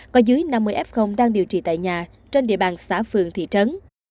có dưới năm mươi f đang điều trị tại nhà trên địa bàn xã phường thị trấn